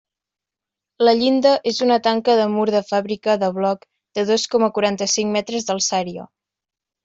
La llinda és una tanca de mur de fàbrica de bloc de dos coma quaranta-cinc metres d'alçària.